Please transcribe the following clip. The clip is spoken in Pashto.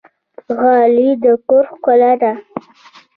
غالۍ د کور ښکلا ده